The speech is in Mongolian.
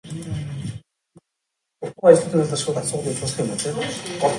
Би Румын улсад зээл олгуулж чадсан.